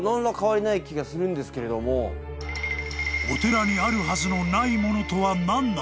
［お寺にあるはずのないものとは何なのか？］